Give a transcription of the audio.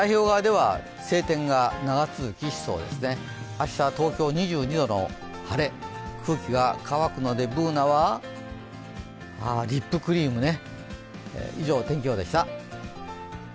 明日、東京２２度の晴れ、空気が乾くのでＢｏｏｎａは、リップクリームね。